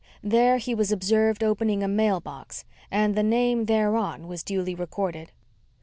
There he was observed opening a mailbox, and the name thereon was duly recorded.